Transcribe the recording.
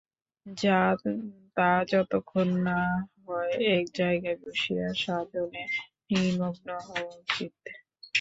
তা যতক্ষণ না হয়, এক জায়গায় বসিয়া সাধনে নিমগ্ন হওয়া উচিত।